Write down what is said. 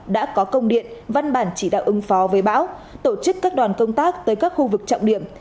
đã có công điện văn bản chỉ đạo ứng phó với bão tổ chức các đoàn công tác tới các khu vực trọng điểm